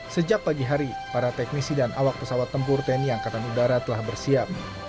sejak pagi hari para teknisi dan awak pesawat tempur tni angkatan udara telah bersiap